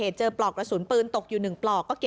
แต่ก็คือไม่รู้ค่ะ